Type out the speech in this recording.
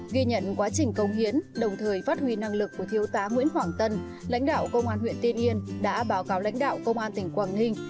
ghi nhận quá trình công hiến đồng thời phát huy năng lực của thiếu tá nguyễn hoàng tân lãnh đạo công an huyện tiên yên đã báo cáo lãnh đạo công an tỉnh quảng ninh